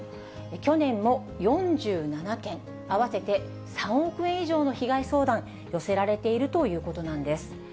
去年も４７件、合わせて３億円以上の被害相談、寄せられているということなんです。